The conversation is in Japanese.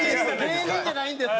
芸人じゃないんです。